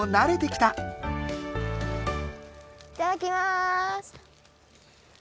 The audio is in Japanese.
いただきます。